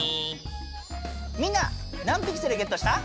みんな何ピクセルゲットした？